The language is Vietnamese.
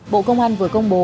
bộ công an vừa công bố